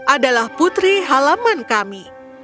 adalah putri halaman kami